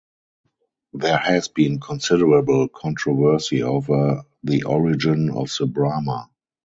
There has been considerable controversy over the origin of the Brahma.